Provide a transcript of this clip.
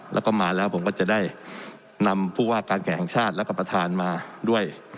แล้วก็มาแล้วผมก็จะได้นำผู้ว่าการแข่งชาติแล้วก็ประธานมาด้วย